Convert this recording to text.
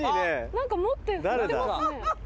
何か持って振ってますね。